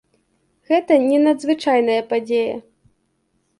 Гэта не надзвычайная падзея.